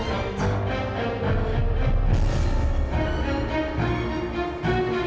ya ampun dia udah mau kembali kesini